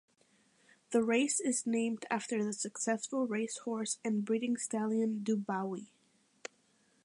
The race is named after the successful racehorse and breeding stallion Dubawi.